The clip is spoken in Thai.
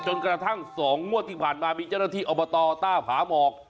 จนกระทั่ง๒งวดที่ผ่านมามีเจ้าหน้าที่อบตต้าผาหมอก